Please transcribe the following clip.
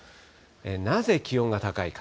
なぜ気温が高いか。